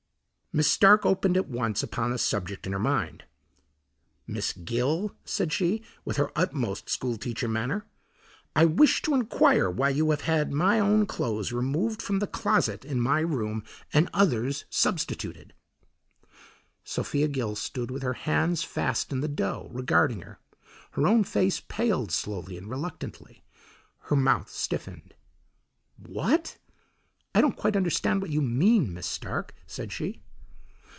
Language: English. Miss Stark opened at once upon the subject in her mind. "Miss Gill," said she, with her utmost school teacher manner, "I wish to inquire why you have had my own clothes removed from the closet in my room and others substituted?" Sophia Gill stood with her hands fast in the dough, regarding her. Her own face paled slowly and reluctantly, her mouth stiffened. "What? I don't quite understand what you mean, Miss Stark," said she.